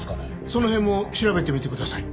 その辺も調べてみてください。